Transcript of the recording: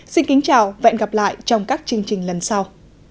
xin kính chào và hẹn gặp lại trong các chương trình lần sau